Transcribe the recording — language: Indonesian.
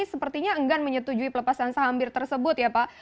sepertinya enggan menyetujui pelepasan saham bir tersebut ya pak